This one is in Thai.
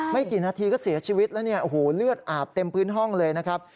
ไม่กี่นาทีก็เสียชีวิตแล้วเนี่ยโอ้โหเลือดอาบเต็มพื้นห้องเลยนะครับ